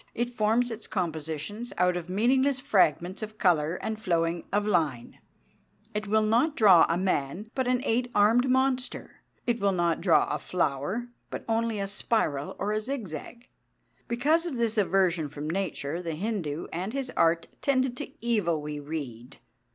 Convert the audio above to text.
It forms its compositions out of meaningless fragments of colour and flowings of line ... It will not draw a man, but an eight armed monster; it will not draw a flower, but only a spiral or a zig zag." Because of this aversion from Nature the Hindu and his art tended to evil, we read.